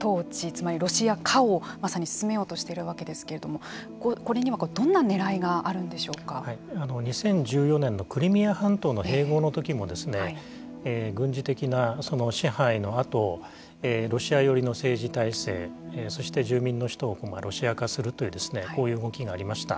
つまりロシア化をまさに進めようとしているわけですけれどもこれには、どんなねらいが２０１４年のクリミア半島の併合のときも軍事的な支配のあとロシア寄りの政治体制そして住民の人をロシア化するというこういう動きがありました。